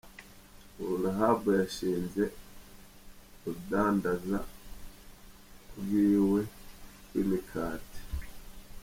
Ubu Rahab yashinze urudandaza rwiwe rw'imikate.